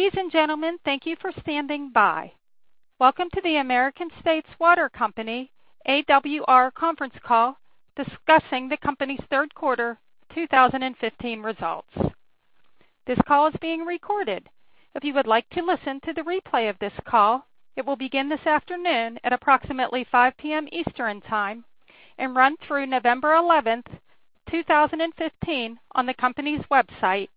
Ladies and gentlemen, thank you for standing by. Welcome to the American States Water Company, AWR conference call discussing the company's third quarter 2015 results. This call is being recorded. If you would like to listen to the replay of this call, it will begin this afternoon at approximately 5:00 P.M. Eastern Time and run through November 11th, 2015, on the company's website,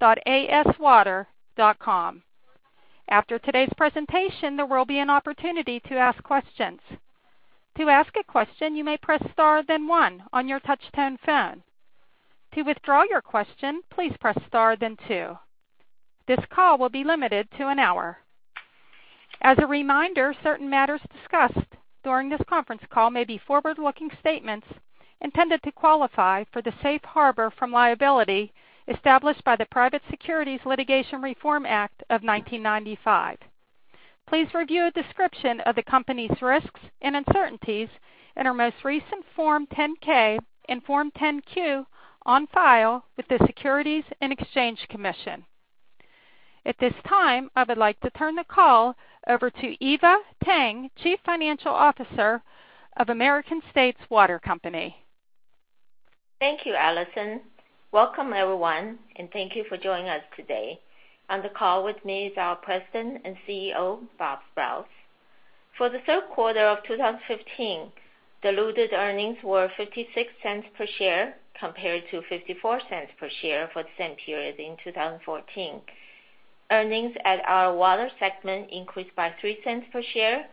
www.aswater.com. After today's presentation, there will be an opportunity to ask questions. To ask a question, you may press star then one on your touch-tone phone. To withdraw your question, please press star then two. This call will be limited to an hour. As a reminder, certain matters discussed during this conference call may be forward-looking statements intended to qualify for the safe harbor from liability established by the Private Securities Litigation Reform Act of 1995. Please review a description of the company's risks and uncertainties in our most recent Form 10-K and Form 10-Q on file with the Securities and Exchange Commission. At this time, I would like to turn the call over to Eva Tang, Chief Financial Officer of American States Water Company. Thank you, Allison. Welcome, everyone, and thank you for joining us today. On the call with me is our President and CEO, Bob Sprowls. For the third quarter of 2015, diluted earnings were $0.56 per share compared to $0.54 per share for the same period in 2014. Earnings at our water segment increased by $0.03 per share.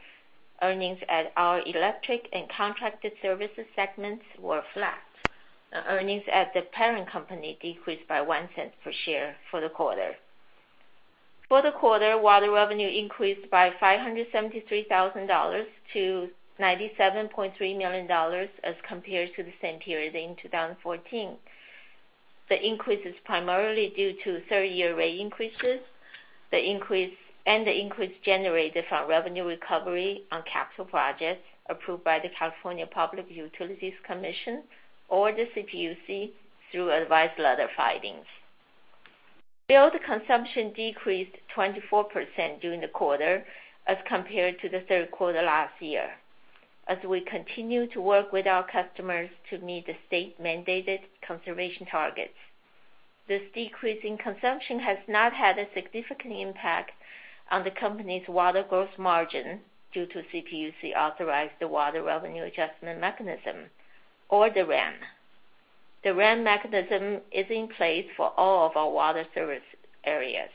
Earnings at our electric and contracted services segments were flat. Earnings at the parent company decreased by $0.01 per share for the quarter. For the quarter, water revenue increased by $573,000 to $97.3 million as compared to the same period in 2014. The increase is primarily due to third-year rate increases and the increase generated from revenue recovery on capital projects approved by the California Public Utilities Commission or the CPUC through advice letter filings. Bill consumption decreased 24% during the quarter as compared to the third quarter last year. As we continue to work with our customers to meet the state-mandated conservation targets. This decrease in consumption has not had a significant impact on the company's water gross margin due to CPUC-authorized Water Revenue Adjustment Mechanism, or the WRAM. The WRAM mechanism is in place for all of our water service areas.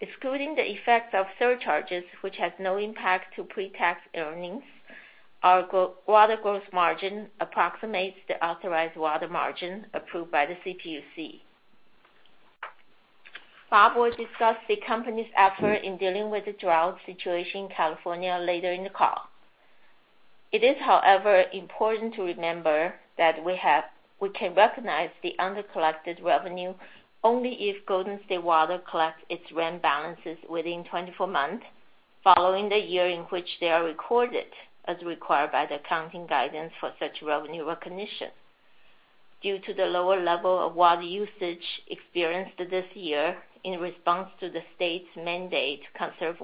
Excluding the effect of surcharges, which has no impact to pre-tax earnings, our water gross margin approximates the authorized water margin approved by the CPUC. Bob will discuss the company's effort in dealing with the drought situation in California later in the call. It is, however, important to remember that we can recognize the undercollected revenue only if Golden State Water collects its WRAM balances within 24 months following the year in which they are recorded, as required by the accounting guidance for such revenue recognition. Due to the lower level of water usage experienced this year in response to the state's mandate to conserve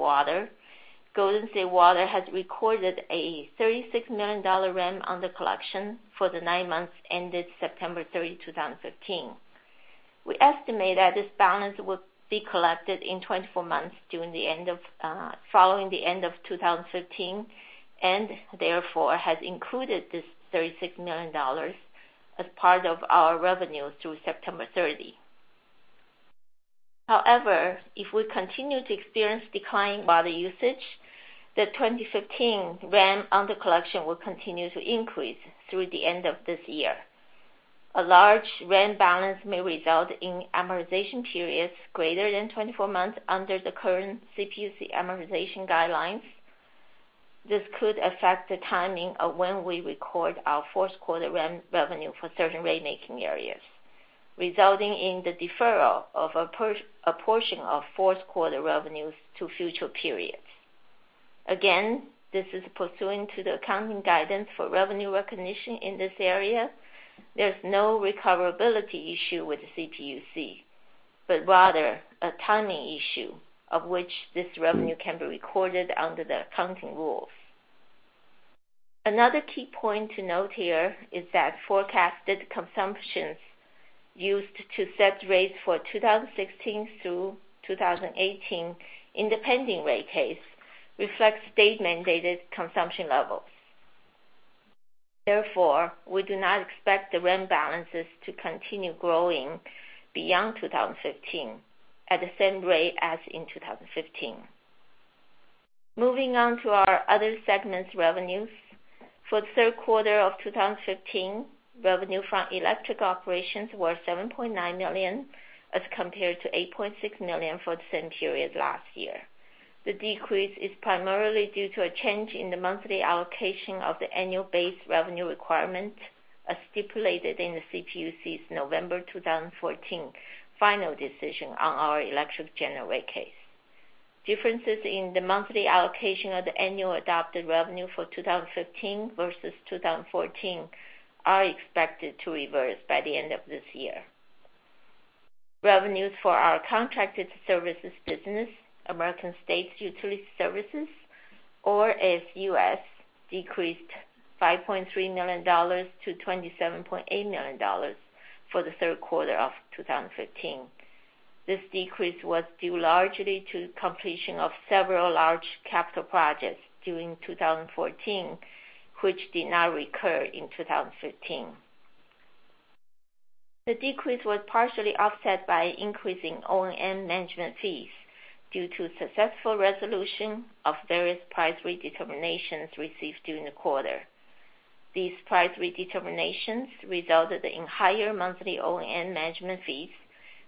water, Golden State Water has recorded a $36 million WRAM undercollection for the nine months ended September 30, 2015. We estimate that this balance will be collected in 24 months following the end of 2015, and therefore, have included this $36 million as part of our revenue through September 30. If we continue to experience declining water usage, the 2015 WRAM undercollection will continue to increase through the end of this year. A large WRAM balance may result in amortization periods greater than 24 months under the current CPUC amortization guidelines. This could affect the timing of when we record our fourth quarter WRAM revenue for certain rate-making areas, resulting in the deferral of a portion of fourth quarter revenues to future periods. This is pursuant to the accounting guidance for revenue recognition in this area. There's no recoverability issue with the CPUC, rather a timing issue of which this revenue can be recorded under the accounting rules. Another key point to note here is that forecasted consumptions used to set rates for 2016 through 2018 in the pending rate case reflect state-mandated consumption levels. We do not expect the WRAM balances to continue growing beyond 2015 at the same rate as in 2015. Moving on to our other segments revenues. For the third quarter of 2015, revenue from electric operations were $7.9 million as compared to $8.6 million for the same period last year. The decrease is primarily due to a change in the monthly allocation of the annual base revenue requirement as stipulated in the CPUC's November 2014 final decision on our electric general rate case. Differences in the monthly allocation of the annual adopted revenue for 2015 versus 2014 are expected to reverse by the end of this year. Revenues for our contracted services business, American States Utility Services, or ASUS, decreased $5.3 million to $27.8 million for the third quarter of 2015. This decrease was due largely to completion of several large capital projects during 2014, which did not recur in 2015. The decrease was partially offset by increasing O&M management fees due to successful resolution of various price redeterminations received during the quarter. These price redeterminations resulted in higher monthly O&M management fees,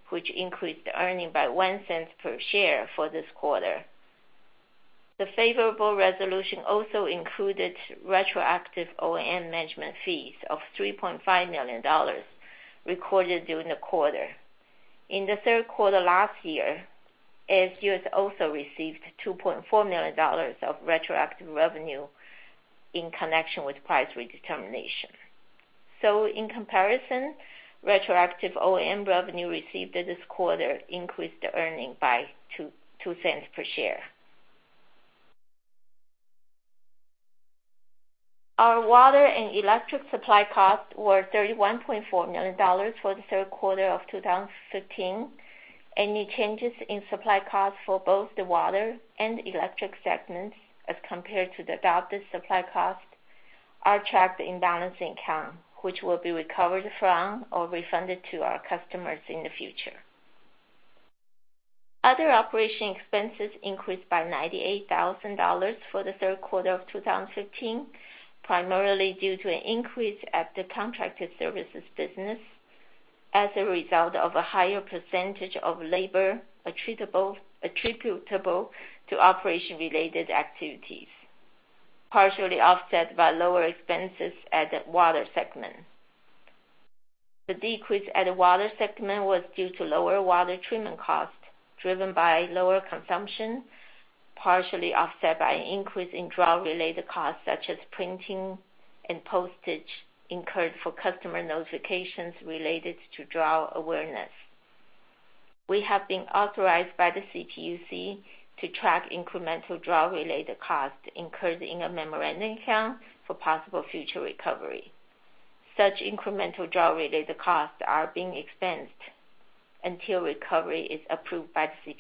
which increased the earning by $0.01 per share for this quarter. The favorable resolution also included retroactive O&M management fees of $3.5 million recorded during the quarter. In the third quarter last year, ASUS also received $2.4 million of retroactive revenue in connection with price redetermination. In comparison, retroactive O&M revenue received this quarter increased the earning by $0.02 per share. Our water and electric supply costs were $31.4 million for the third quarter of 2015. Any changes in supply costs for both the water and electric segments as compared to the adopted supply costs are tracked in balancing account, which will be recovered from or refunded to our customers in the future. Other operation expenses increased by $98,000 for the third quarter of 2015, primarily due to an increase at the contracted services business as a result of a higher percentage of labor attributable to operation-related activities, partially offset by lower expenses at the water segment. The decrease at the water segment was due to lower water treatment costs, driven by lower consumption, partially offset by an increase in drought-related costs such as printing and postage incurred for customer notifications related to drought awareness. We have been authorized by the CPUC to track incremental drought-related costs incurred in a memorandum account for possible future recovery. Such incremental drought-related costs are being expensed until recovery is approved by the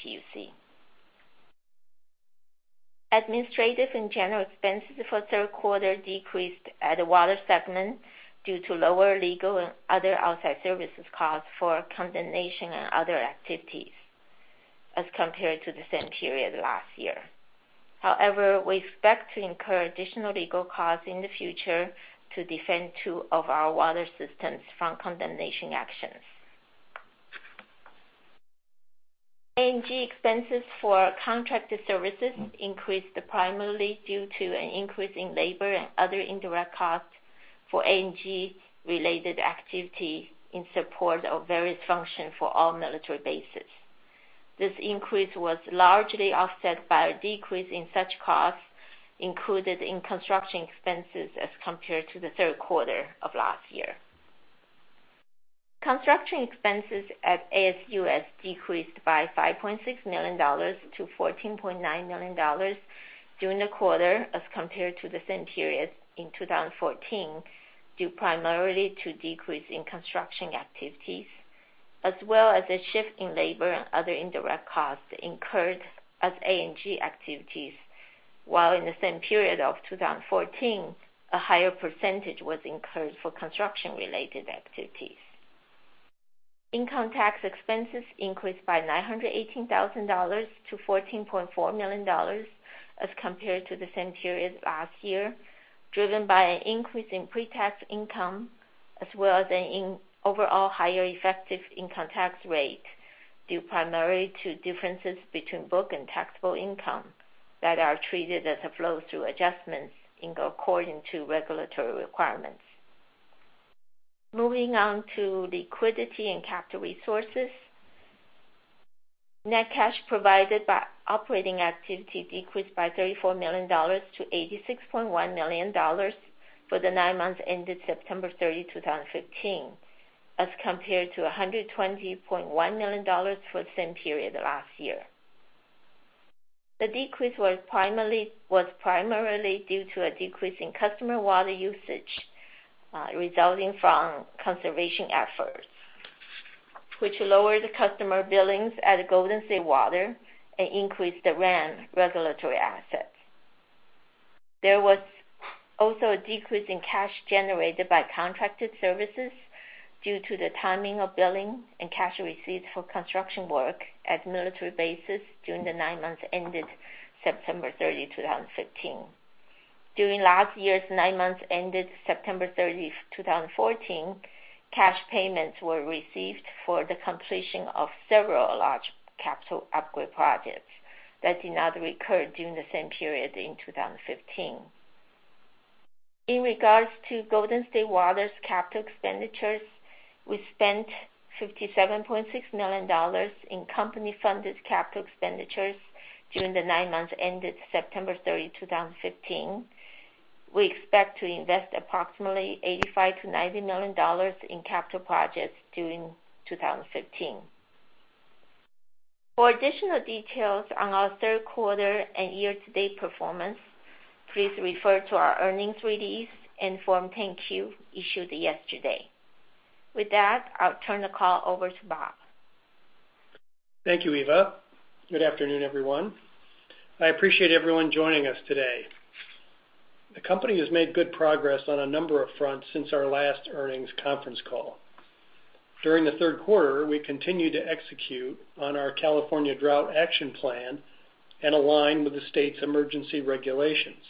CPUC. Administrative and general expenses for third quarter decreased at the water segment due to lower legal and other outside services costs for condemnation and other activities as compared to the same period last year. We expect to incur additional legal costs in the future to defend two of our water systems from condemnation actions. A&G expenses for contracted services increased primarily due to an increase in labor and other indirect costs for A&G-related activity in support of various functions for all military bases. This increase was largely offset by a decrease in such costs included in construction expenses as compared to the third quarter of last year. Construction expenses at ASUS decreased by $5.6 million to $14.9 million during the quarter as compared to the same period in 2014, due primarily to decrease in construction activities, as well as a shift in labor and other indirect costs incurred as A&G activities, while in the same period of 2014, a higher percentage was incurred for construction-related activities. Income tax expenses increased by $918,000 to $14.4 million as compared to the same period last year, driven by an increase in pre-tax income, as well as an overall higher effective income tax rate due primarily to differences between book and taxable income that are treated as a flow-through adjustment in accordance to regulatory requirements. Moving on to liquidity and capital resources. Net cash provided by operating activity decreased by $34 million to $86.1 million for the nine months ended September 30, 2015, as compared to $120.1 million for the same period last year. The decrease was primarily due to a decrease in customer water usage resulting from conservation efforts, which lowered customer billings at Golden State Water and increased the WRAM regulatory assets. There was also a decrease in cash generated by contracted services due to the timing of billing and cash receipts for construction work at military bases during the nine months ended September 30, 2015. During last year's nine months ended September 30, 2014, cash payments were received for the completion of several large capital upgrade projects that did not recur during the same period in 2015. In regards to Golden State Water Company's capital expenditures, we spent $57.6 million in company-funded capital expenditures during the nine months ended September 30, 2015. We expect to invest approximately $85 million-$90 million in capital projects during 2015. For additional details on our third quarter and year-to-date performance, please refer to our earnings release and Form 10-Q issued yesterday. With that, I'll turn the call over to Bob. Thank you, Eva. Good afternoon, everyone. I appreciate everyone joining us today. The company has made good progress on a number of fronts since our last earnings conference call. During the third quarter, we continued to execute on our California Drought Action Plan and align with the state's emergency regulations.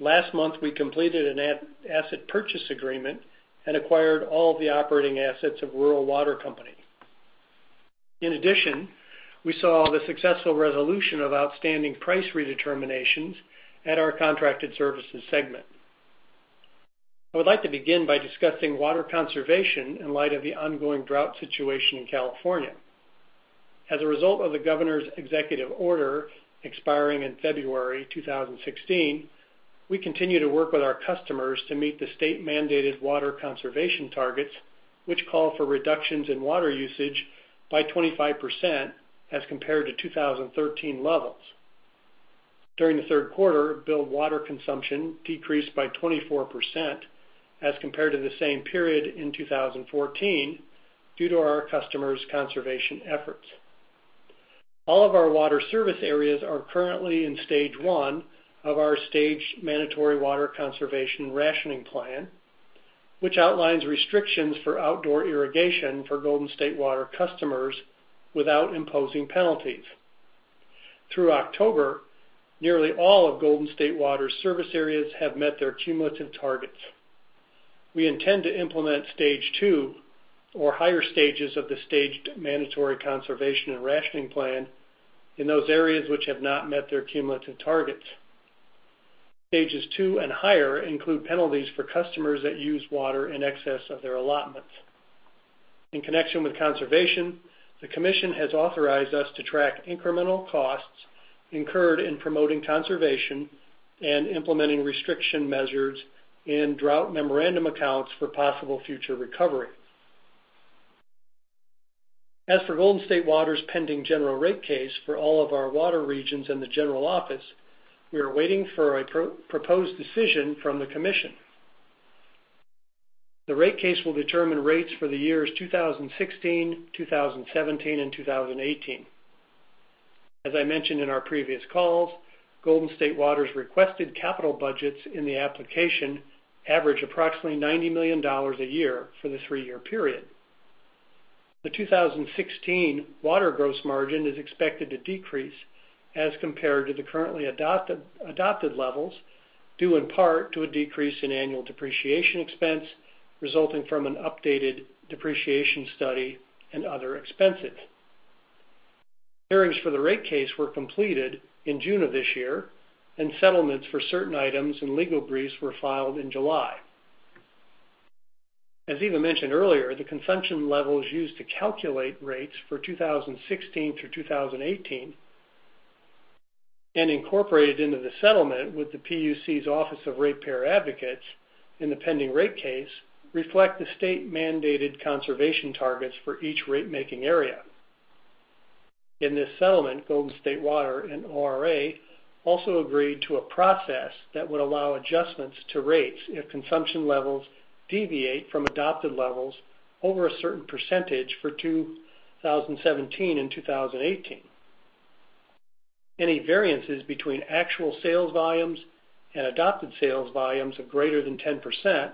Last month, we completed an asset purchase agreement and acquired all the operating assets of Rural Water Company. In addition, we saw the successful resolution of outstanding price redeterminations at our contracted services segment. I would like to begin by discussing water conservation in light of the ongoing drought situation in California. As a result of the Governor's executive order expiring in February 2016, we continue to work with our customers to meet the state-mandated water conservation targets, which call for reductions in water usage by 25% as compared to 2013 levels. During the third quarter, billed water consumption decreased by 24% as compared to the same period in 2014 due to our customers' conservation efforts. All of our water service areas are currently in stage 1 of our staged mandatory water conservation and rationing plan, which outlines restrictions for outdoor irrigation for Golden State Water Company customers without imposing penalties. Through October, nearly all of Golden State Water Company's service areas have met their cumulative targets. We intend to implement stage 2 or higher stages of the staged mandatory water conservation and rationing plan in those areas which have not met their cumulative targets. Stages 2 and higher include penalties for customers that use water in excess of their allotments. In connection with conservation, the Commission has authorized us to track incremental costs incurred in promoting conservation and implementing restriction measures in drought memorandum accounts for possible future recovery. As for Golden State Water Company's pending general rate case for all of our water regions and the general office, we are waiting for a proposed decision from the Commission. The rate case will determine rates for the years 2016, 2017, and 2018. As I mentioned in our previous calls, Golden State Water Company's requested capital budgets in the application average approximately $90 million a year for the three-year period. The 2016 water gross margin is expected to decrease as compared to the currently adopted levels, due in part to a decrease in annual depreciation expense resulting from an updated depreciation study and other expenses. Hearings for the rate case were completed in June of this year, and settlements for certain items and legal briefs were filed in July. As Eva mentioned earlier, the consumption levels used to calculate rates for 2016 through 2018 and incorporated into the settlement with the PUC's Office of Ratepayer Advocates in the pending rate case reflect the state-mandated conservation targets for each rate-making area. In this settlement, Golden State Water and ORA also agreed to a process that would allow adjustments to rates if consumption levels deviate from adopted levels over a certain percentage for 2017 and 2018. Any variances between actual sales volumes and adopted sales volumes of greater than 10%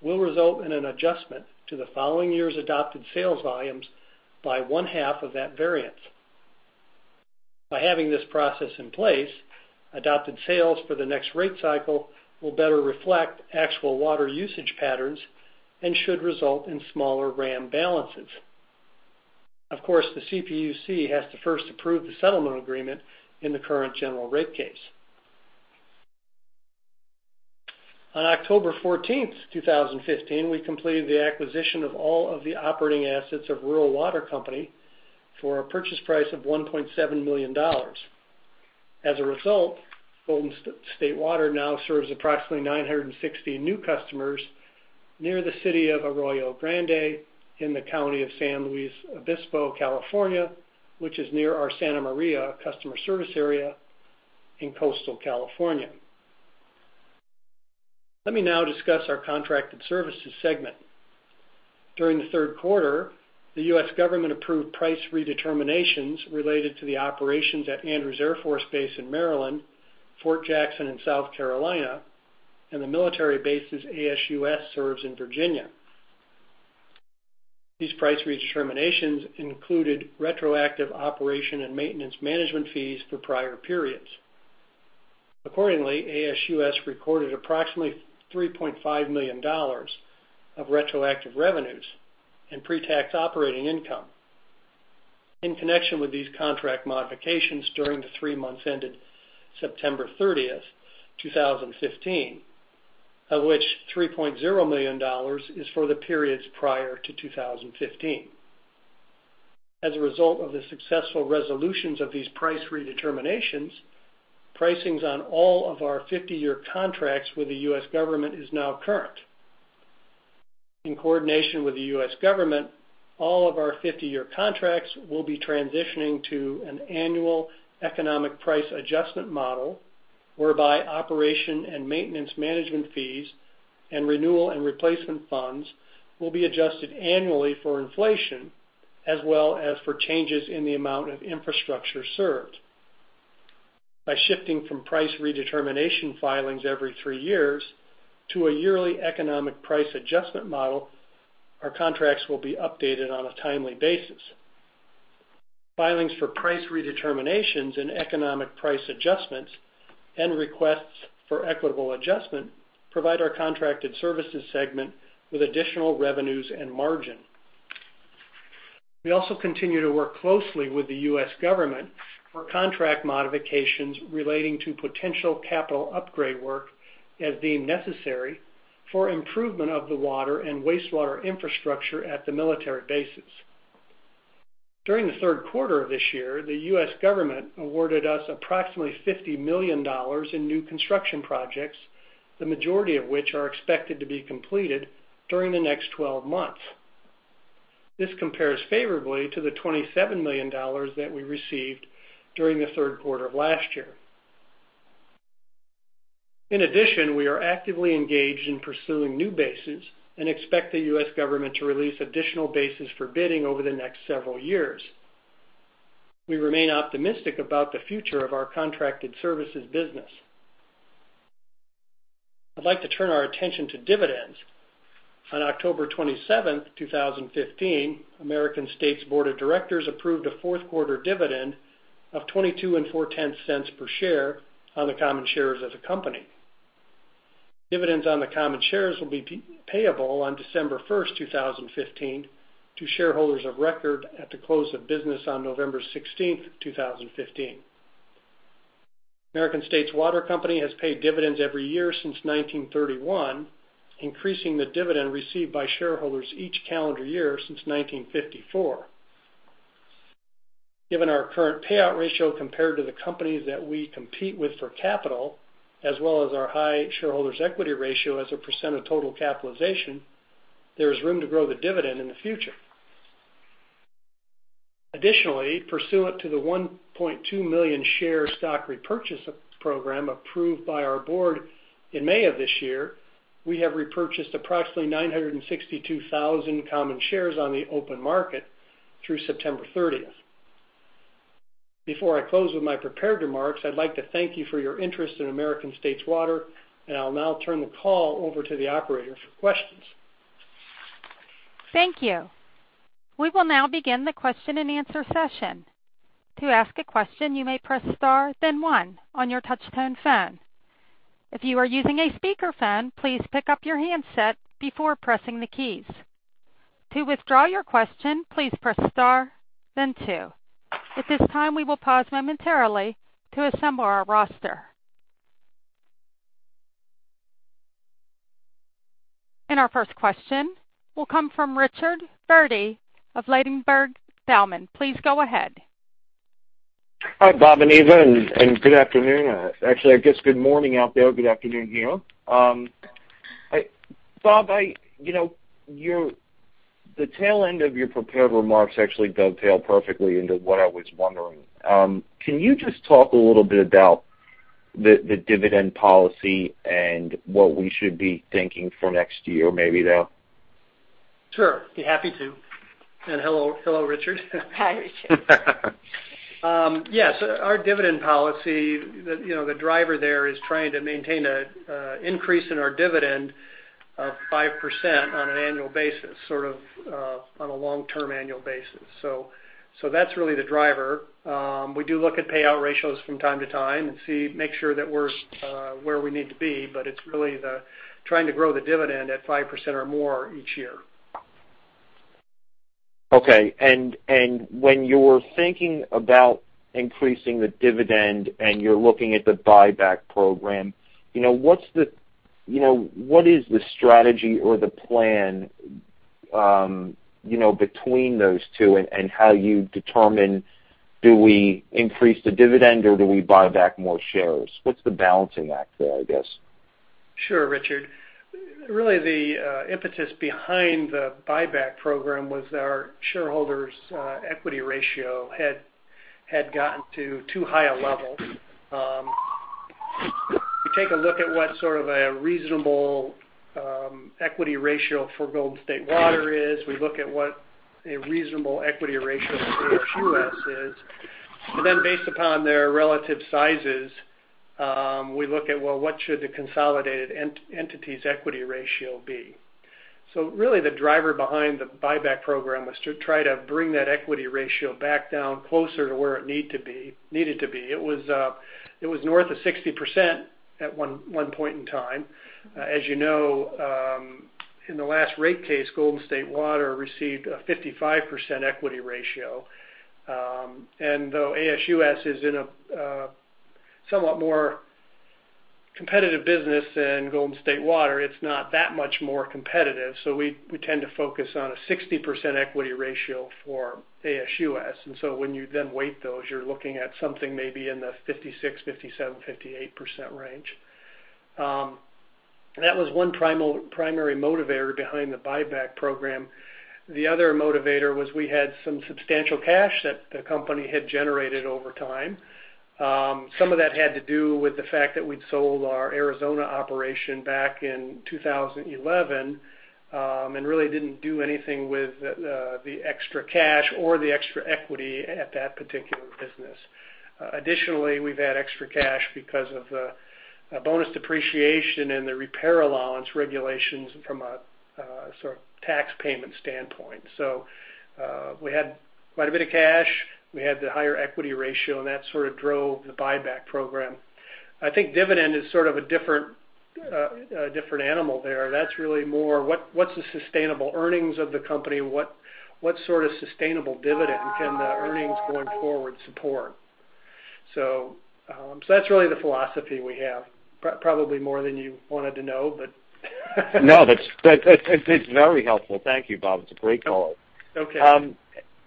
will result in an adjustment to the following year's adopted sales volumes by one-half of that variance. By having this process in place, adopted sales for the next rate cycle will better reflect actual water usage patterns and should result in smaller RAM balances. Of course, the CPUC has to first approve the settlement agreement in the current general rate case. On October 14th, 2015, we completed the acquisition of all of the operating assets of Rural Water Company for a purchase price of $1.7 million. As a result, Golden State Water now serves approximately 960 new customers near the city of Arroyo Grande in the county of San Luis Obispo, California, which is near our Santa Maria customer service area in coastal California. Let me now discuss our contracted services segment. During the third quarter, the U.S. government approved price redeterminations related to the operations at Andrews Air Force Base in Maryland, Fort Jackson in South Carolina, and the military bases ASUS serves in Virginia. These price redeterminations included retroactive operation and maintenance management fees for prior periods. Accordingly, ASUS recorded approximately $3.5 million of retroactive revenues and pre-tax operating income. In connection with these contract modifications during the three months ended September 30th, 2015, of which $3.0 million is for the periods prior to 2015. As a result of the successful resolutions of these price redeterminations, pricings on all of our 50-year contracts with the U.S. government is now current. In coordination with the U.S. government, all of our 50-year contracts will be transitioning to an annual Economic Price Adjustment model, whereby operation and maintenance management fees and renewal and replacement funds will be adjusted annually for inflation, as well as for changes in the amount of infrastructure served. By shifting from price redetermination filings every three years to a yearly Economic Price Adjustment model, our contracts will be updated on a timely basis. Filings for price redeterminations and Economic Price Adjustments and requests for equitable adjustment provide our contracted services segment with additional revenues and margin. We also continue to work closely with the U.S. government for contract modifications relating to potential capital upgrade work as deemed necessary for improvement of the water and wastewater infrastructure at the military bases. During the third quarter of this year, the U.S. government awarded us approximately $50 million in new construction projects, the majority of which are expected to be completed during the next 12 months. This compares favorably to the $27 million that we received during the third quarter of last year. In addition, we are actively engaged in pursuing new bases and expect the U.S. government to release additional bases for bidding over the next several years. We remain optimistic about the future of our contracted services business. I'd like to turn our attention to dividends. On October 27th, 2015, American States Board of Directors approved a fourth quarter dividend of $0.224 per share on the common shares of the company. Dividends on the common shares will be payable on December 1st, 2015 to shareholders of record at the close of business on November 16th, 2015. American States Water Company has paid dividends every year since 1931, increasing the dividend received by shareholders each calendar year since 1954. Given our current payout ratio compared to the companies that we compete with for capital, as well as our high shareholders' equity ratio as a percent of total capitalization, there is room to grow the dividend in the future. Additionally, pursuant to the 1.2 million share stock repurchase program approved by our board in May of this year, we have repurchased approximately 962,000 common shares on the open market through September 30th. Before I close with my prepared remarks, I'd like to thank you for your interest in American States Water, I'll now turn the call over to the operator for questions. Thank you. We will now begin the question-and-answer session. To ask a question, you may press star then one on your touchtone phone. If you are using a speakerphone, please pick up your handset before pressing the keys. To withdraw your question, please press star then two. At this time, we will pause momentarily to assemble our roster. Our first question will come from Richard Verdi of Ladenburg Thalmann. Please go ahead. Hi, Bob and Eva, good afternoon. Actually, I guess good morning out there. Good afternoon here. Bob, the tail end of your prepared remarks actually dovetail perfectly into what I was wondering. Can you just talk a little bit about the dividend policy and what we should be thinking for next year, maybe there? Sure. Be happy to. Hello, Richard. Hi, Richard. Yes. Our dividend policy, the driver there is trying to maintain an increase in our dividend of 5% on an annual basis, sort of on a long-term annual basis. That's really the driver. We do look at payout ratios from time to time and make sure that we're where we need to be, but it's really the trying to grow the dividend at 5% or more each year. Okay. When you're thinking about increasing the dividend and you're looking at the buyback program, what is the strategy or the plan between those two and how you determine, do we increase the dividend or do we buy back more shares? What's the balancing act there, I guess? Sure, Richard. Really, the impetus behind the buyback program was our shareholders' equity ratio had gotten to too high a level. We take a look at what sort of a reasonable equity ratio for Golden State Water Company is. We look at what a reasonable equity ratio for ASUS is. Based upon their relative sizes, we look at, well, what should the consolidated entity's equity ratio be? Really, the driver behind the buyback program was to try to bring that equity ratio back down closer to where it needed to be. It was north of 60% at one point in time. As you know, in the last rate case, Golden State Water Company received a 55% equity ratio. Though ASUS is in a somewhat more competitive business than Golden State Water Company, it's not that much more competitive, we tend to focus on a 60% equity ratio for ASUS. When you then weight those, you're looking at something maybe in the 56%, 57%, 58% range. That was one primary motivator behind the buyback program. The other motivator was we had some substantial cash that the company had generated over time. Some of that had to do with the fact that we'd sold our Arizona operation back in 2011, and really didn't do anything with the extra cash or the extra equity at that particular business. Additionally, we've had extra cash because of bonus depreciation and the repair allowance regulations from a sort of tax payment standpoint. We had quite a bit of cash. We had the higher equity ratio, and that sort of drove the buyback program. I think dividend is sort of a different animal there. That's really more what's the sustainable earnings of the company? What sort of sustainable dividend can the earnings going forward support? That's really the philosophy we have. Probably more than you wanted to know, but No, it's very helpful. Thank you, Bob. It's a great call. Okay.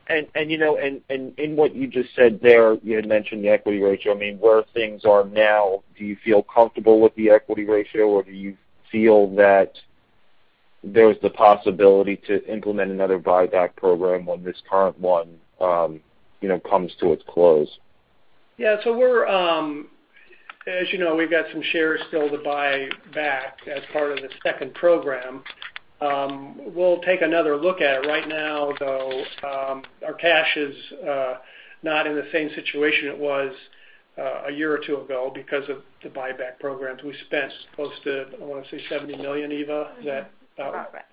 In what you just said there, you had mentioned the equity ratio. Where things are now, do you feel comfortable with the equity ratio, or do you feel that there's the possibility to implement another buyback program when this current one comes to its close? As you know, we've got some shares still to buy back as part of the second program. We'll take another look at it. Right now, though, our cash is not in the same situation it was a year or two ago because of the buyback programs. We spent close to, I want to say, $70 million, Eva? About that.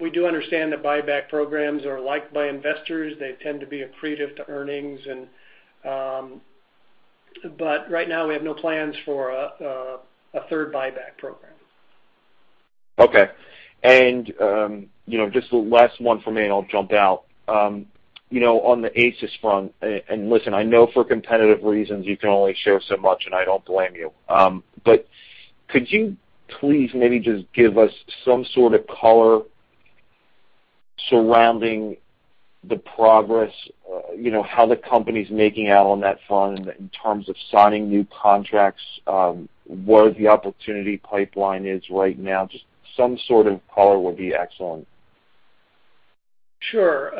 We do understand that buyback programs are liked by investors. They tend to be accretive to earnings. Right now, we have no plans for a third buyback program. Okay. Just the last one from me, I'll jump out. On the ASUS front, listen, I know for competitive reasons you can only share so much, I don't blame you. Could you please maybe just give us some sort of color surrounding the progress, how the company's making out on that front in terms of signing new contracts, where the opportunity pipeline is right now, just some sort of color would be excellent. Sure.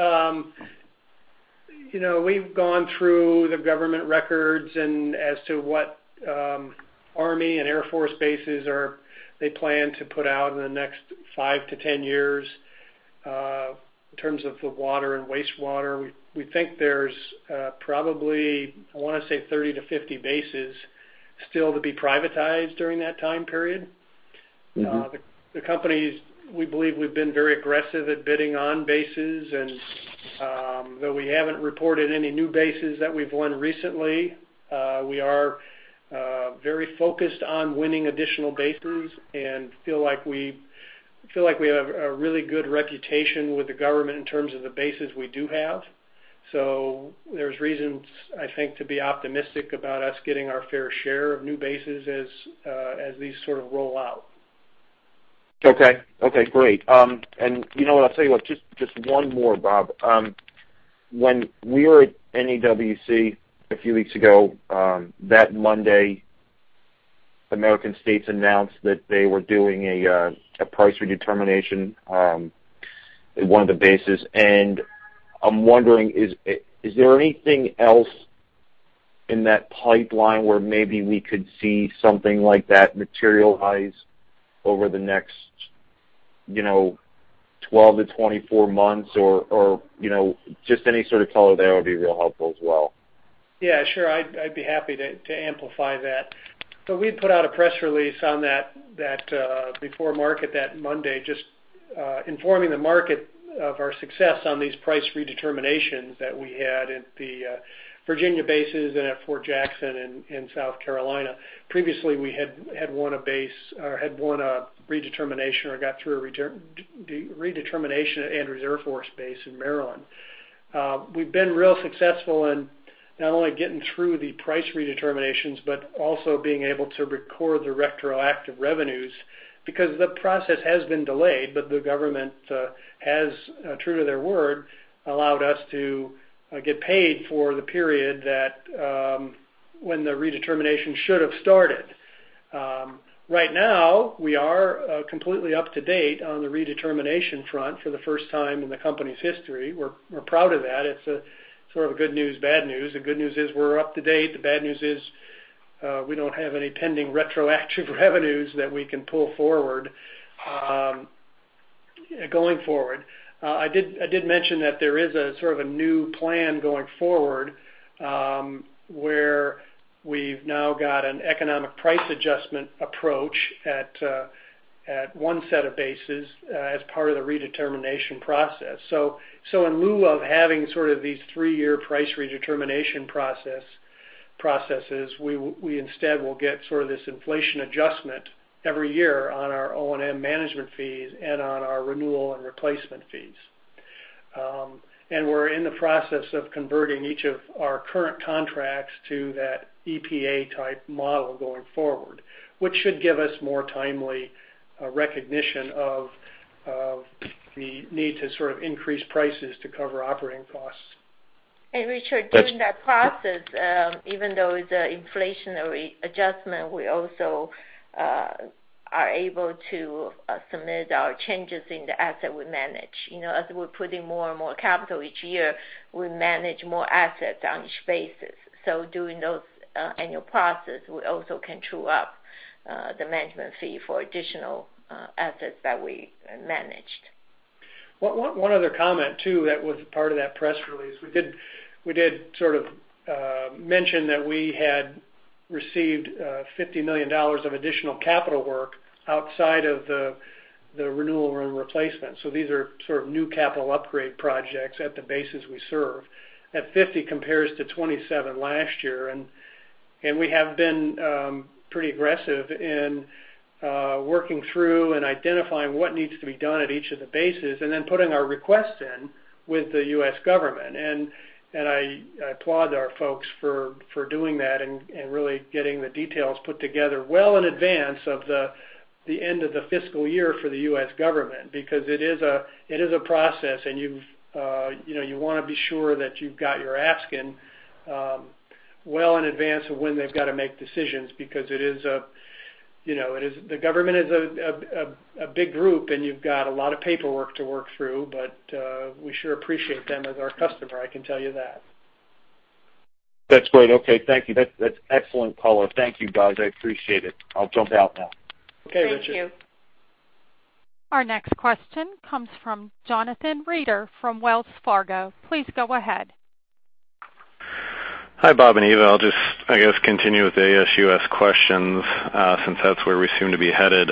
We've gone through the government records, as to what Army and Air Force bases they plan to put out in the next 5-10 years, in terms of the water and wastewater. We think there's probably, I want to say, 30-50 bases still to be privatized during that time period. The company's, we believe we've been very aggressive at bidding on bases, though we haven't reported any new bases that we've won recently, we are very focused on winning additional bases and feel like we have a really good reputation with the government in terms of the bases we do have. There's reasons, I think, to be optimistic about us getting our fair share of new bases as these sort of roll out. Okay. Great. I'll tell you what, just one more, Bob. When we were at NAWC a few weeks ago, that Monday, American States announced that they were doing a price redetermination at one of the bases. I'm wondering, is there anything else in that pipeline where maybe we could see something like that materialize over the next 12-24 months? Just any sort of color there would be real helpful as well. Sure. I'd be happy to amplify that. We had put out a press release on that before market that Monday, just informing the market of our success on these price redeterminations that we had at the Virginia bases and at Fort Jackson in South Carolina. Previously, we had won a base, or had won a redetermination, or got through a redetermination at Andrews Air Force Base in Maryland. We've been real successful in not only getting through the price redeterminations, but also being able to record the retroactive revenues because the process has been delayed, but the government has, true to their word, allowed us to get paid for the period when the redetermination should have started. Right now, we are completely up to date on the redetermination front for the first time in the company's history. We're proud of that. It's sort of good news, bad news. The good news is we're up to date. The bad news is we don't have any pending retroactive revenues that we can pull forward going forward. I did mention that there is a sort of a new plan going forward, where we've now got an Economic Price Adjustment approach at one set of bases as part of the redetermination process. In lieu of having sort of these three-year price redetermination processes, we instead will get sort of this inflation adjustment every year on our O&M management fees and on our renewal and replacement fees. We're in the process of converting each of our current contracts to that EPA type model going forward, which should give us more timely recognition of the need to sort of increase prices to cover operating costs. Richard, during that process, even though it's an inflationary adjustment, we also are able to submit our changes in the asset we manage. As we're putting more and more capital each year, we manage more assets on each basis. Doing those annual process, we also can true up the management fee for additional assets that we managed. One other comment, too, that was part of that press release. We did sort of mention that we had received $50 million of additional capital work outside of the renewal and replacement. These are sort of new capital upgrade projects at the bases we serve. That 50 compares to 27 last year. We have been pretty aggressive in working through and identifying what needs to be done at each of the bases and then putting our requests in with the U.S. government. I applaud our folks for doing that and really getting the details put together well in advance of the end of the fiscal year for the U.S. government. It is a process and you want to be sure that you've got your ask in well in advance of when they've got to make decisions. The government is a big group and you've got a lot of paperwork to work through, but we sure appreciate them as our customer, I can tell you that. That's great. Okay. Thank you. That's excellent color. Thank you, guys. I appreciate it. I'll jump out now. Okay, Richard. Thank you. Our next question comes from Jonathan Reeder from Wells Fargo. Please go ahead. Hi, Bob and Eva. I'll just, I guess, continue with the ASUS questions, since that's where we seem to be headed.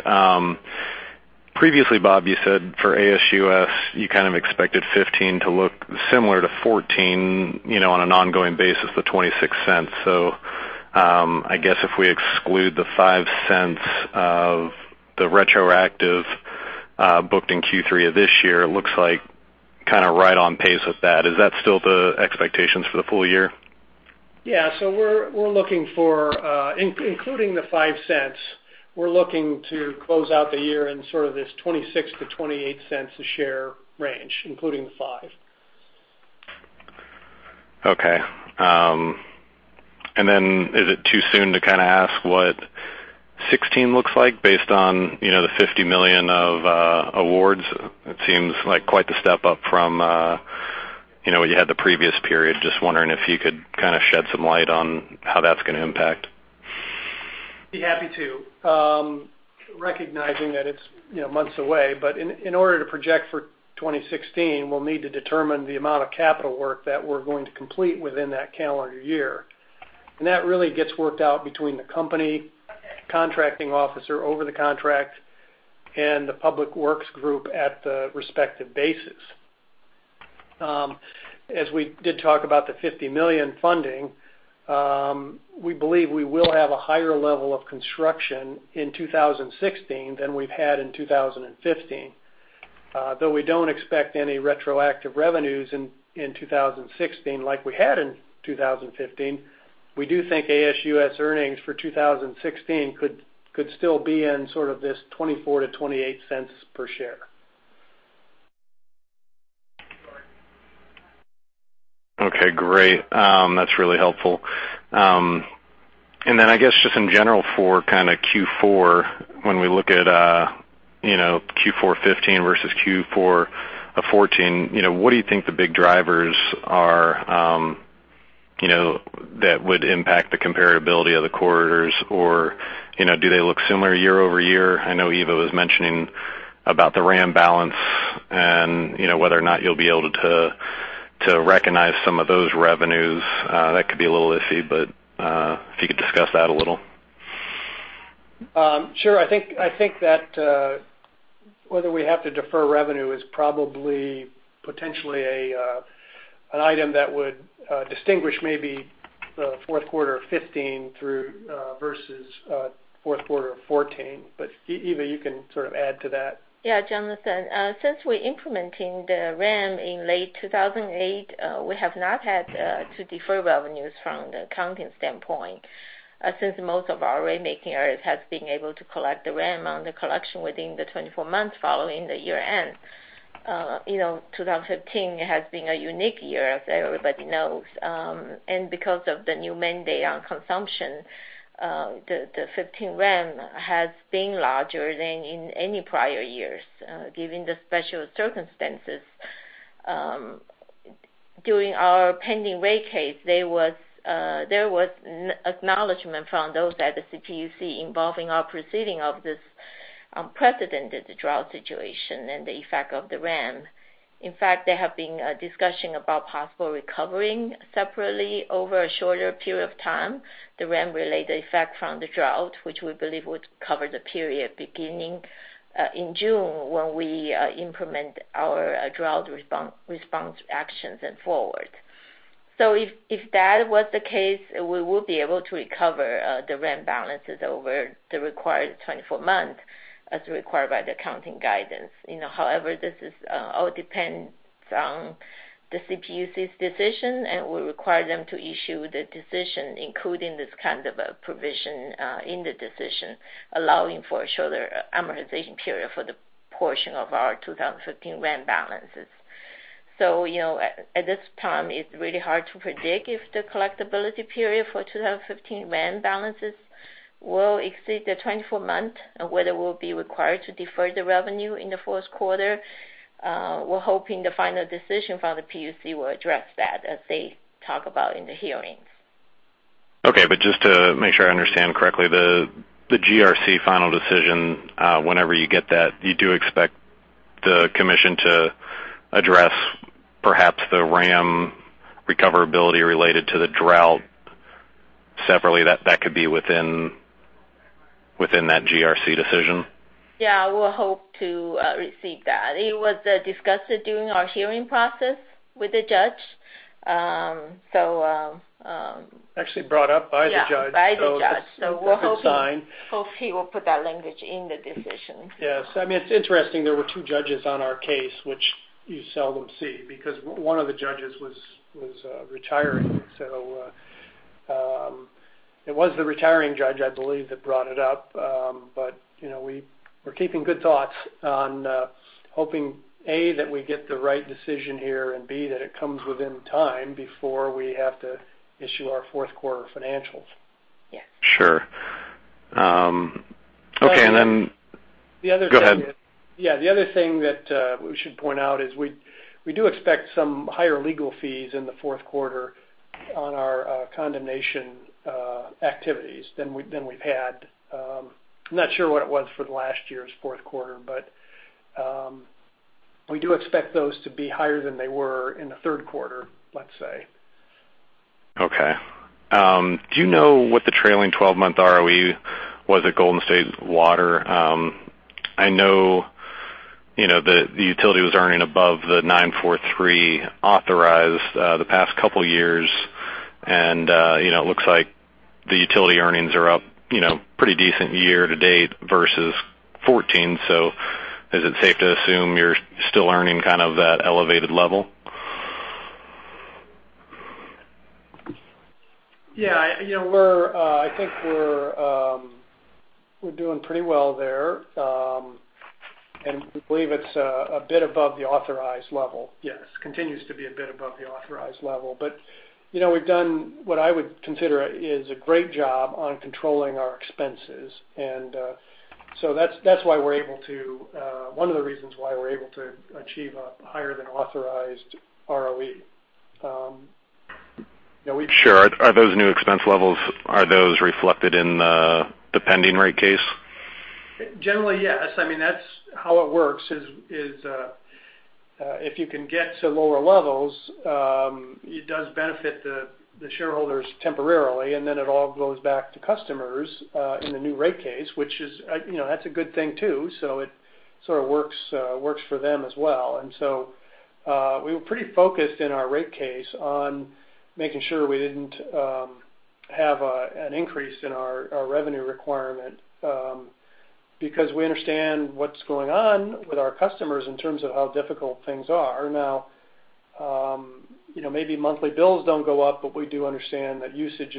Previously, Bob, you said for ASUS, you kind of expected 2015 to look similar to 2014, on an ongoing basis, the $0.26. I guess if we exclude the $0.05 of the retroactive booked in Q3 of this year, it looks like kind of right on pace with that. Is that still the expectations for the full year? Yeah. Including the $0.05, we're looking to close out the year in sort of this $0.26-$0.28 a share range, including the $0.05. Okay. Is it too soon to kind of ask what 2016 looks like based on the $50 million of awards? It seems like quite the step up from what you had the previous period. Just wondering if you could kind of shed some light on how that's going to impact. Be happy to. Recognizing that it's months away, but in order to project for 2016, we will need to determine the amount of capital work that we are going to complete within that calendar year. That really gets worked out between the company contracting officer over the contract and the public works group at the respective bases. As we did talk about the $50 million funding, we believe we will have a higher level of construction in 2016 than we have had in 2015. Though we do not expect any retroactive revenues in 2016 like we had in 2015, we do think ASUS earnings for 2016 could still be in sort of this $0.24-$0.28 per share. Okay, great. That is really helpful. I guess just in general for kind of Q4, when we look at Q4 2015 versus Q4 of 2014, what do you think the big drivers are that would impact the comparability of the corridors? Do they look similar year-over-year? I know Eva was mentioning about the RAM balance and whether or not you will be able to recognize some of those revenues. That could be a little iffy, but if you could discuss that a little. Sure. I think that whether we have to defer revenue is probably potentially an item that would distinguish maybe the fourth quarter of 2015 versus fourth quarter of 2014. But Eva, you can sort of add to that. Yeah, Jonathan. Since we are implementing the RAM in late 2008, we have not had to defer revenues from the accounting standpoint, since most of our ratemaking areas has been able to collect the RAM on the collection within the 24 months following the year end. 2015 has been a unique year, as everybody knows. Because of the new mandate on consumption, the 2015 RAM has been larger than in any prior years, given the special circumstances. During our pending rate case, there was acknowledgement from those at the CPUC involving our proceeding of this unprecedented drought situation and the effect of the RAM. In fact, there have been a discussion about possible recovering separately over a shorter period of time, the RAM related effect from the drought, which we believe would cover the period beginning in June when we implement our drought response actions and forward. If that was the case, we will be able to recover the WRAM balances over the required 24 months as required by the accounting guidance. However, this all depends on the CPUC's decision, and we require them to issue the decision, including this kind of a provision in the decision, allowing for a shorter amortization period for the portion of our 2015 WRAM balances. At this time, it's really hard to predict if the collectibility period for 2015 WRAM balances will exceed the 24 months and whether we'll be required to defer the revenue in the fourth quarter. We're hoping the final decision from the PUC will address that as they talk about in the hearings. Okay. Just to make sure I understand correctly, the GRC final decision, whenever you get that, you do expect the commission to address perhaps the WRAM recoverability related to the drought separately, that could be within that GRC decision? Yeah, we'll hope to receive that. It was discussed during our hearing process with the judge. It was actually brought up by the judge. Yeah, by the judge. It's a good sign. We're hoping he will put that language in the decision. Yes. It's interesting, there were two judges on our case, which you seldom see, because one of the judges was retiring. It was the retiring judge, I believe, that brought it up. We're keeping good thoughts on hoping, A, that we get the right decision here, and B, that it comes within time before we have to issue our fourth quarter financials. Yes. Sure. Okay. The other thing. Go ahead. Yeah, the other thing that we should point out is we do expect some higher legal fees in the fourth quarter on our condemnation activities than we've had. I'm not sure what it was for the last year's fourth quarter, but we do expect those to be higher than they were in the third quarter, let's say. Okay. Do you know what the trailing 12-month ROE was at Golden State Water? I know the utility was earning above the 943 authorized the past couple of years, and it looks like the utility earnings are up pretty decent year to date versus 2014. Is it safe to assume you're still earning kind of that elevated level? Yeah. I think we're doing pretty well there. We believe it's a bit above the authorized level. Yes, continues to be a bit above the authorized level. We've done, what I would consider, is a great job on controlling our expenses. That's one of the reasons why we're able to achieve a higher than authorized ROE. Sure. Are those new expense levels, are those reflected in the pending rate case? Generally, yes. That's how it works is, if you can get to lower levels, it does benefit the shareholders temporarily, then it all goes back to customers, in the new rate case, which is, that's a good thing too. It sort of works for them as well. We were pretty focused in our rate case on making sure we didn't have an increase in our revenue requirement, because we understand what's going on with our customers in terms of how difficult things are. Now, maybe monthly bills don't go up, we do understand that usage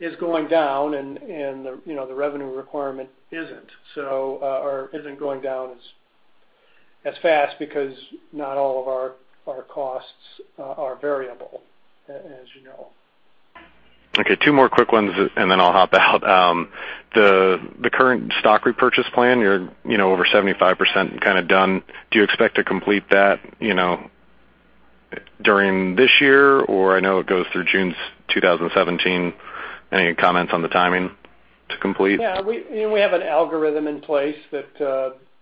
is going down and the revenue requirement isn't, or isn't going down as fast because not all of our costs are variable, as you know. Okay, two more quick ones and then I'll hop out. The current stock repurchase plan, you're over 75% kind of done. Do you expect to complete that during this year? I know it goes through June 2017. Any comments on the timing to complete? Yeah. We have an algorithm in place that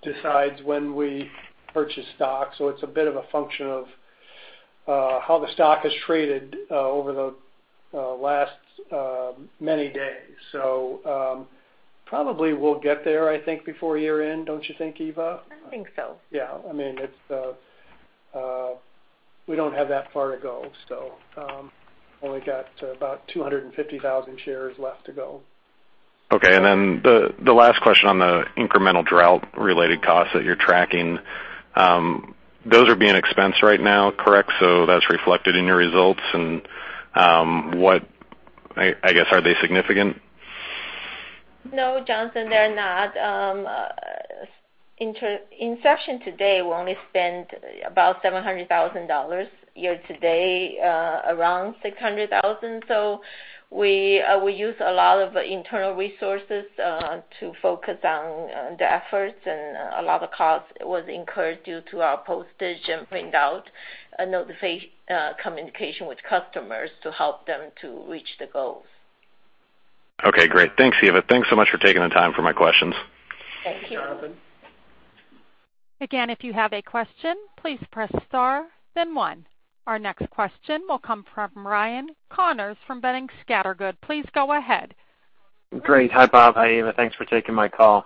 decides when we purchase stock. It's a bit of a function of how the stock has traded over the last many days. Probably we'll get there, I think, before year-end. Don't you think, Eva? I think so. Yeah. We don't have that far to go, so, only got about 250,000 shares left to go. Then the last question on the incremental drought-related costs that you're tracking, those are being expensed right now, correct? That's reflected in your results and, I guess, are they significant? No, Jonathan, they're not. In session today, we only spent about $700,000. Year to date, around $600,000. We use a lot of internal resources to focus on the efforts, a lot of costs was incurred due to our postage and printout notification communication with customers to help them to reach the goals. Okay, great. Thanks, Eva. Thanks so much for taking the time for my questions. Thank you. Thank you, Jonathan. Again, if you have a question, please press star then one. Our next question will come from Ryan Connors from Boenning & Scattergood. Please go ahead. Great. Hi, Bob. Hi, Eva. Thanks for taking my call.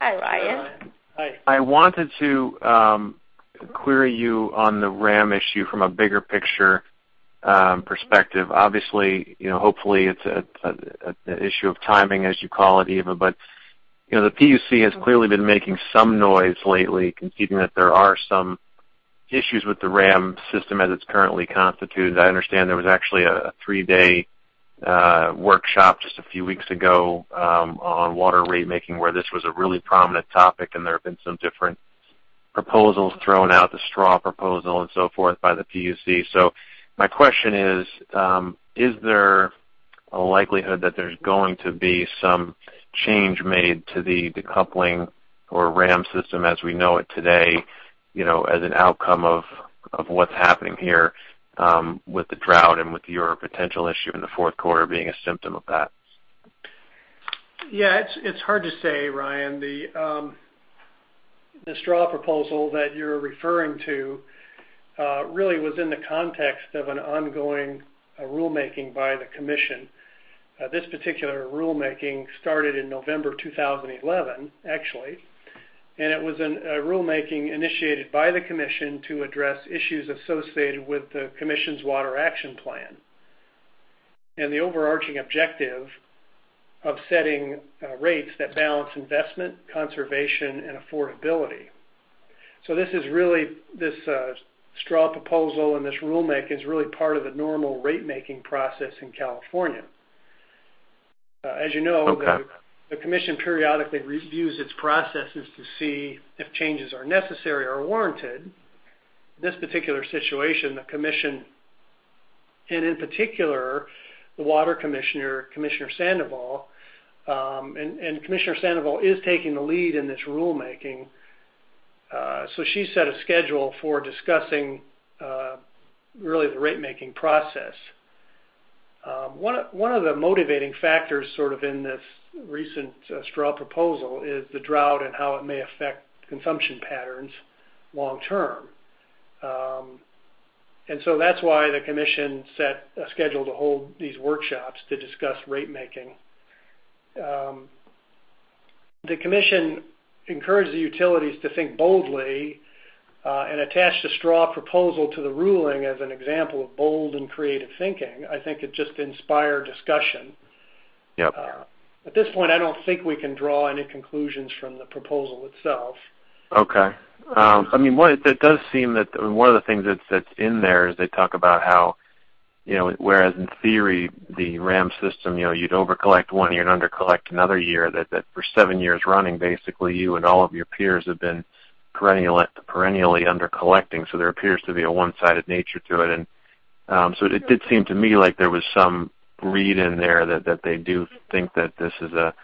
Hi, Ryan. Hi, Ryan. I wanted to query you on the WRAM issue from a bigger picture perspective. Obviously, hopefully, it's an issue of timing, as you call it, Eva, but the PUC has clearly been making some noise lately, conceding that there are some issues with the WRAM system as it's currently constituted. I understand there was actually a three-day workshop just a few weeks ago on water rate making, where this was a really prominent topic, and there have been some different proposals thrown out, the straw proposal and so forth, by the PUC. My question is: Is there a likelihood that there's going to be some change made to the decoupling or WRAM system as we know it today as an outcome of what's happening here with the drought and with your potential issue in the fourth quarter being a symptom of that? Yeah, it's hard to say, Ryan. The straw proposal that you're referring to really was in the context of an ongoing rulemaking by the commission. This particular rulemaking started in November 2011, actually, and it was a rulemaking initiated by the commission to address issues associated with the commission's Water Action Plan and the overarching objective of setting rates that balance investment, conservation, and affordability. This straw proposal and this rulemaking is really part of the normal rate-making process in California. As you know. Okay The commission periodically reviews its processes to see if changes are necessary or warranted. In this particular situation, the commission, and in particular, the Commissioner, Catherine Sandoval, and Catherine Sandoval is taking the lead in this rulemaking. She set a schedule for discussing really the rate-making process. One of the motivating factors sort of in this recent straw proposal is the drought and how it may affect consumption patterns long term. That's why the commission set a schedule to hold these workshops to discuss rate making. The commission encouraged the utilities to think boldly and attach the straw proposal to the ruling as an example of bold and creative thinking. I think it just inspired discussion. Yep. At this point, I don't think we can draw any conclusions from the proposal itself. Okay. It does seem that one of the things that's in there is they talk about how, whereas in theory, the WRAM system, you'd over-collect one year and under-collect another year, that for seven years running, basically, you and all of your peers have been perennially under-collecting, so there appears to be a one-sided nature to it. It did seem to me like there was some read in there that they do think that this is a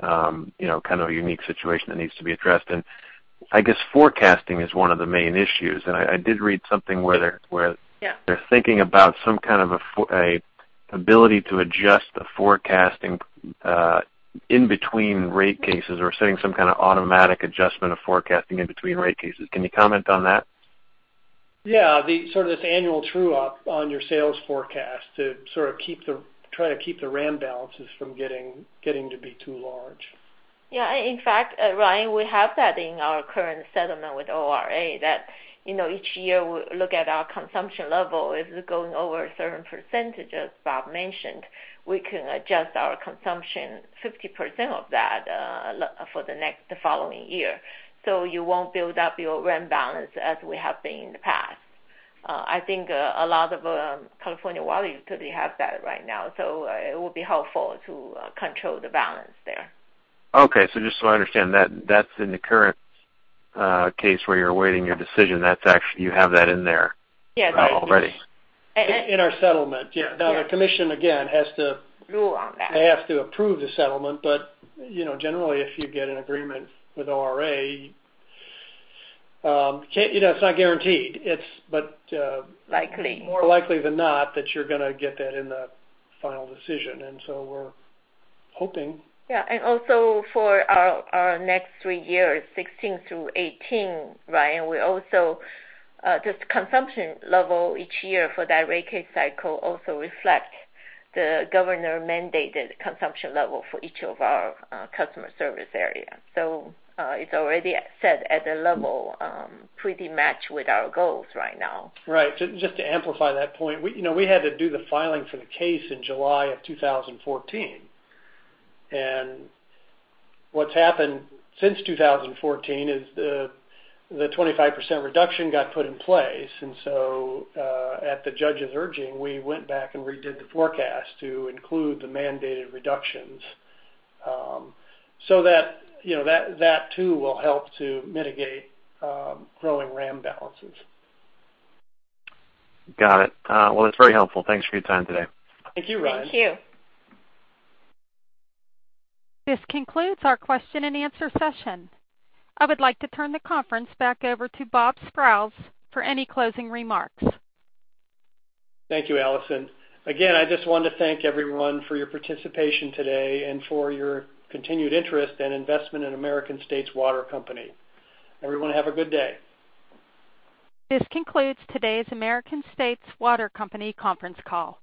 kind of unique situation that needs to be addressed. I guess forecasting is one of the main issues, and I did read something where. Yeah They are thinking about some kind of an ability to adjust the forecasting in between rate cases or setting some kind of automatic adjustment of forecasting in between rate cases. Can you comment on that? Yeah. Sort of this annual true-up on your sales forecast to try to keep the WRAM balances from getting to be too large. Yeah. In fact, Ryan, we have that in our current settlement with ORA, that each year, we look at our consumption level. If it's going over a certain percentage, as Bob mentioned, we can adjust our consumption 50% of that for the following year. You won't build up your WRAM balance as we have been in the past. I think a lot of California Water Utilities have that right now, so it will be helpful to control the balance there. Okay. Just so I understand, that's in the current case where you're awaiting your decision. You have that in there. Yes already. In our settlement. Yes. The commission, again, has to. Rule on that they have to approve the settlement, generally, if you get an agreement with ORA, it's not guaranteed. It's Likely more likely than not that you're going to get that in the final decision, we're hoping. Yeah. Also for our next three years, 2016 through 2018, Ryan, this consumption level each year for that rate case cycle also reflects the governor-mandated consumption level for each of our customer service areas. It's already set at a level pretty matched with our goals right now. Right. Just to amplify that point, we had to do the filing for the case in July of 2014. What's happened since 2014 is the 25% reduction got put in place, at the judge's urging, we went back and redid the forecast to include the mandated reductions. That too will help to mitigate growing WRAM balances. Got it. Well, that's very helpful. Thanks for your time today. Thank you, Ryan. Thank you. This concludes our question and answer session. I would like to turn the conference back over to Robert Sprowls for any closing remarks. Thank you, Allison. Again, I just want to thank everyone for your participation today and for your continued interest and investment in American States Water Company. Everyone have a good day. This concludes today's American States Water Company conference call.